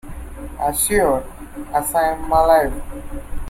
As sure as I am alive.